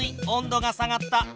温度が下がった。